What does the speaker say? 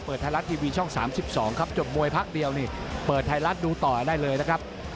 ไทยรัฐทีวีช่อง๓๒ครับจบมวยพักเดียวนี่เปิดไทยรัฐดูต่อได้เลยนะครับ